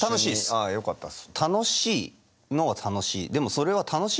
あよかったです。